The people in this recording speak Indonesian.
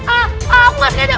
ah aku masih ada